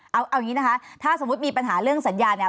เอาอย่างนี้นะคะถ้าสมมุติมีปัญหาเรื่องสัญญาเนี่ย